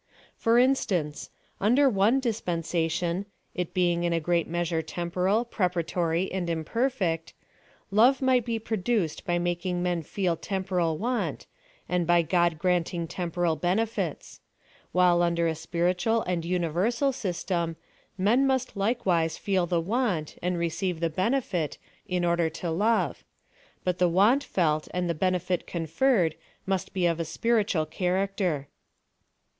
For instance : under one dispensation — it being in a great measure temporal, preparatory, and imperfect — love might be produced by making men feel temporal want, and by God granting temporal benefits : while under a spiritual and universal system, men must likewise feel the want, and receive the benefit, in order to love ; but the want felt and the benefit conferred must be of a spiritual character.